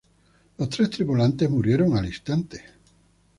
Los tres tripulantes murieron al instante.